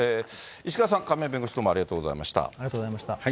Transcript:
石川さん、亀井弁護士、ありがとうございました。